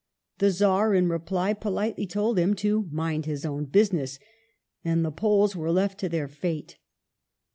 The Czar, in reply, politely told him to mind his own business, and the Poles were left to their fate.